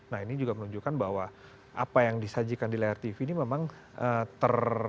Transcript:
nah ini juga menunjukkan bahwa apa yang disajikan di layar tv ini memang ter